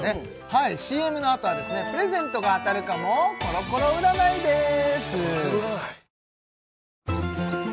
ＣＭのあとはですねプレゼントが当たるかもコロコロ占いです